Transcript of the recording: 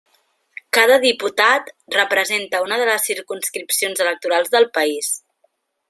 Cada diputat representa una de les circumscripcions electorals del país.